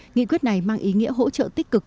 nghị quyết này mang ý nghĩa hỗ trợ tích cực